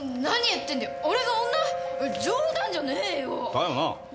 だよな。